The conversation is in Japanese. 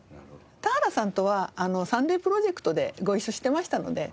田原さんとは『サンデープロジェクト』でご一緒してましたので。